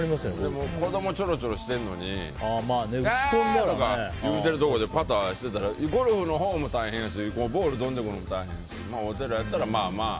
でも子供がちょろちょろしてるのにわー！とか言うてるところでパターしてたらゴルフのほうも大変だしボール飛んでくるのも大変やしお寺やったら、まあまあ